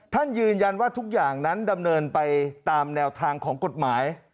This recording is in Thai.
ยืนยันว่าทุกอย่างนั้นดำเนินไปตามแนวทางของกฎหมาย